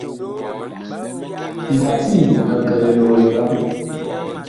Ngatiŋ ɛg kɛ liloole vaŋ.